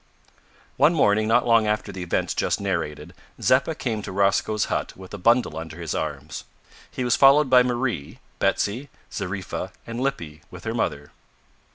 One morning, not long after the events just narrated, Zeppa came to Rosco's hut with a bundle under his arm. He was followed by Marie, Betsy, Zariffa, and Lippy with her mother.